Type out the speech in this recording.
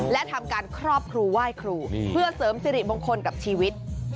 และทำการครอบครูไหว้ครูเพื่อเสริมสิริมงคลกับชีวิต